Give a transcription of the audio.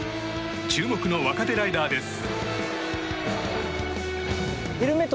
注目の若手ライダーです。